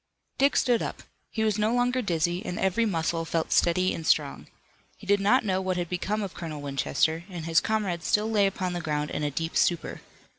Dick stood up. He was no longer dizzy, and every muscle felt steady and strong. He did not know what had become of Colonel Winchester, and his comrades still lay upon the ground in a deep stupor.